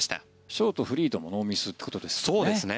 ショート、フリーともノーミスということですよね。